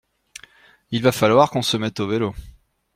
Il va falloir qu’on se mette au vélo.